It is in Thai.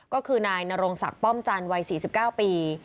ก็คือนายนรงศักดิ์ป้อมจันทร์วัย๔๙ปี